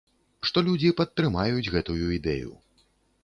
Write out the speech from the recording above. Што людзі падтрымаюць гэтую ідэю.